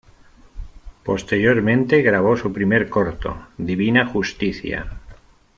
Posteriormente grabó su primer corto, "Divina Justicia".